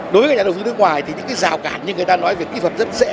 đối với nhà đầu tư nước ngoài thì những cái rào cản như người ta nói về kỹ thuật rất dễ